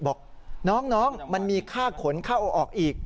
บอกน้องมันมีค่าขนเข้าออกอีก